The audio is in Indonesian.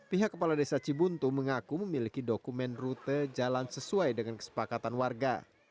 pihak kepala desa cibuntu mengaku memiliki dokumen rute jalan sesuai dengan kesepakatan warga